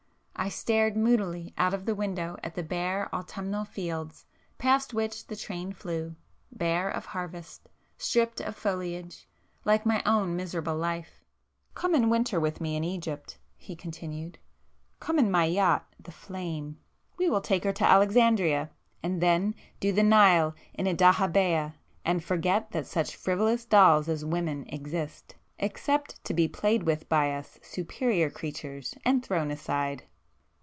I stared moodily out of the window at the bare autumnal fields, past which the train flew,—bare of harvest,—stripped of foliage—like my own miserable life. "Come and winter with me in Egypt,"—he continued—"Come in my yacht 'The Flame,'—we will take her to Alexandria,—and then do the Nile in a dahabeah, and forget that such frivolous dolls as women exist except to be played with by us 'superior' creatures and thrown aside."